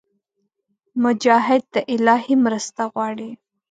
مجاهد د الهي مرسته غواړي.